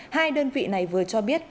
hai đơn vị này vừa cho biết